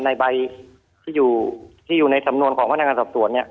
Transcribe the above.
ในใบที่อยู่ที่อยู่ในสำนวนของพนักงานสอบสวนเนี่ย